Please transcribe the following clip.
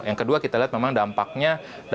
yang kedua kita lihat memang dampaknya